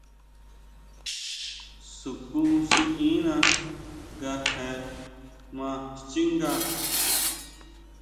Sukúchiʼína nga je maa xchínga.